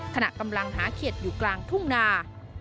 ขณะกำลังหาเขียดอยู่กลางทุ่งนา